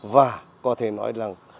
và có thể nói là